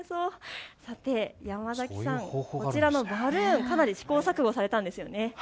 さて山崎さん、こちらのバルーン、かなり試行錯誤されたんですよね。